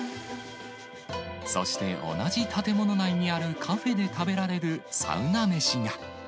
そして同じ建物内にあるカフェで食べられるサウナ飯が。